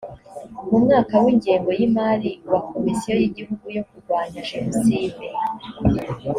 mu mwaka w ingengo y imari wa komisiyo y igihugu yo kurwanya jenoside